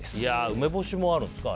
梅干しもあるんですか。